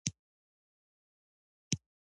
د دغه را غونډوونکي مزي مراعات وکړي.